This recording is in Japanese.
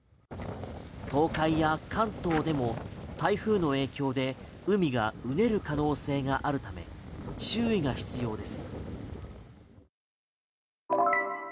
東海や関東でも台風の影響で海がうねる可能性があるため注意が必要です。